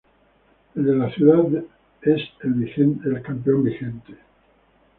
El de la ciudad de es el vigente campeón.